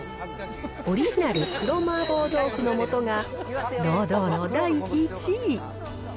オリジナル黒麻婆豆腐の素が、堂々の第１位。